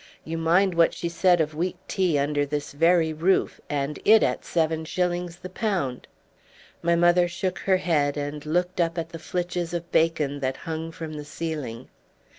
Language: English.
You mind what she said of weak tea under this very roof, and it at seven shillings the pound!" My mother shook her head, and looked up at the flitches of bacon that hung from the ceiling.